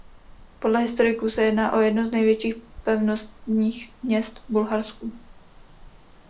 Podle historiků se jedná o jedno z největších pevnostních měst v Bulharsku.